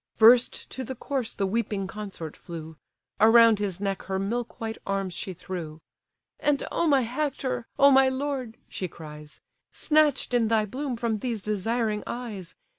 First to the corse the weeping consort flew; Around his neck her milk white arms she threw, "And oh, my Hector! Oh, my lord! (she cries) Snatch'd in thy bloom from these desiring eyes!